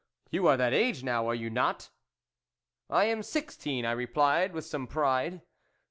You are that age now, are you not ?"" I am sixteen," I replied with some pride.